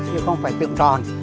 chứ không phải tượng tròn